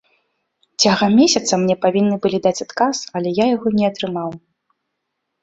Цягам месяца мне павінны былі даць адказ, але я яго не атрымаў.